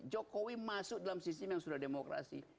jokowi masuk dalam sistem yang sudah demokrasi